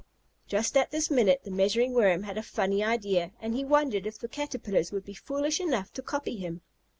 Just at this minute the Measuring Worm had a funny idea, and he wondered if the Caterpillars would be foolish enough to copy him.